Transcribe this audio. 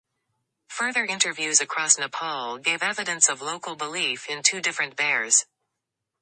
Further interviews across Nepal gave evidence of local belief in two different bears.